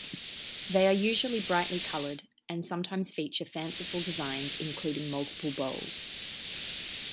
They are usually brightly colored, and sometimes feature fanciful designs including multiple bowls.